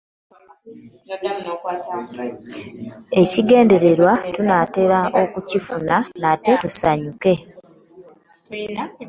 Ekigendererwa tunaatera okukifuna ate tusanyuke.